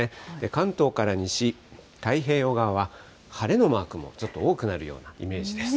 関東から西、太平洋側は、晴れのマークもちょっと多くなるようなイメージです。